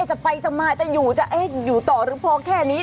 จะไปจะมาจะอยู่จะเอ๊ะอยู่ต่อหรือพอแค่นี้